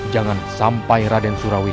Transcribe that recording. jangan sampai raden surawi